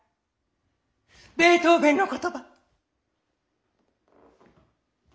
ベートーベンの言葉。